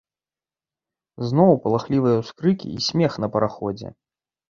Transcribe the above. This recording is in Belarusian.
Зноў палахлівыя ўскрыкі і смех на параходзе.